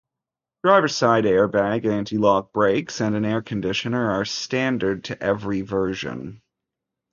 Driver-side airbag, anti-lock brakes, and an air conditioner are standard to every version.